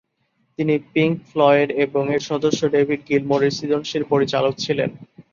তিনি Pink Floyd এবং এর সদস্য ডেভিড গিলমোরের সৃজনশীল পরিচালক ছিলেন।